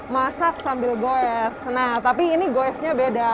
masak sambil goes nah tapi ini goesnya beda